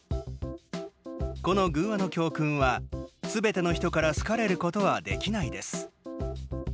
この寓話の教訓は「すべての人から好かれることはできない」です。